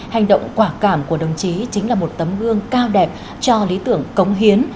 hành động quả cảm của đồng chí chính là một tấm gương cao đẹp cho lý tưởng cống hiến